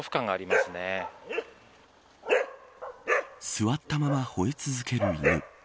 座ったまま、ほえ続ける犬。